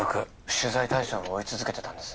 取材対象を追い続けてたんです